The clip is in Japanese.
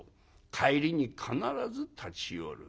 帰りに必ず立ち寄る。